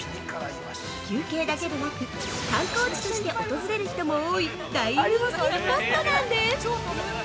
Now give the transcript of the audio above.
休憩だけでなく観光地として訪れる人も多い大人気スポットなんです！